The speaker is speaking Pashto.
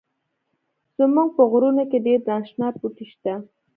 زمونږ په غرونو کښی ډیر ناشنا بوټی شته